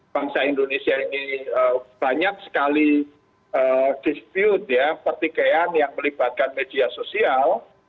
bangsa indonesia ini banyak sekali dispute ya pertikaian yang melibatkan media sosial